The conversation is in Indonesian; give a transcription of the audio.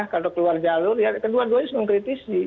kalau keluar jalur ya kedua duanya harus mengkritisi